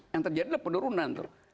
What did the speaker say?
yang terjadi adalah penurunan